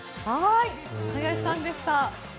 林さんでした。